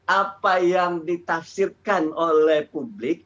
apa yang ditafsirkan oleh publik